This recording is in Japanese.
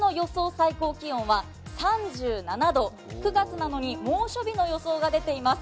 最高気温は３７度、９月なのに猛暑日の予想が出ています。